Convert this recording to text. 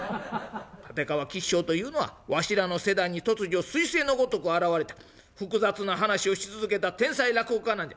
「立川吉祥というのはわしらの世代に突如すい星のごとく現れた複雑な噺をし続けた天才落語家なんじゃ」。